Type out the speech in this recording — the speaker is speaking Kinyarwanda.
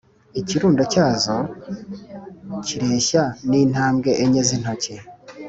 ikirundo cyazo kireshya n intambwe enye z intoki